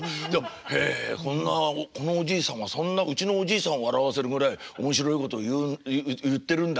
へえこのおじいさんはうちのおじいさんを笑わせるぐらい面白いことを言ってるんだ